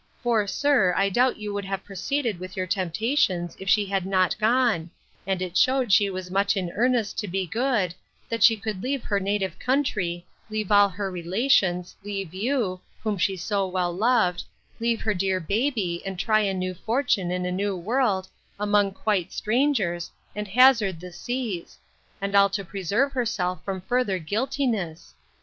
For, sir, I doubt you would have proceeded with your temptations, if she had not gone; and it shewed she was much in earnest to be good, that she could leave her native country, leave all her relations, leave you, whom she so well loved, leave her dear baby, and try a new fortune, in a new world, among quite strangers, and hazard the seas; and all to preserve herself from further guiltiness!